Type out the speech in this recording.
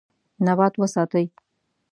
نبات وساتئ.